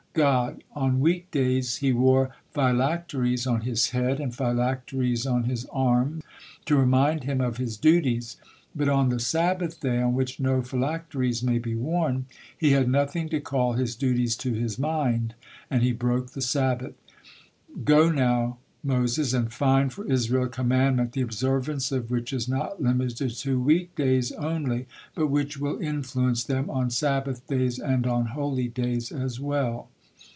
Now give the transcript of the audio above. God: "On week days he wore phylacteries on his head and phylacteries on his arm to remind him of his duties, but on the Sabbath day, on which no phylacteries may be worn, he had nothing to call his duties to his mind, and he broke the Sabbath. God now, Moses, and find for Israel a commandment the observance of which is not limited to week days only, but which will influence them on Sabbath days and on holy days as well."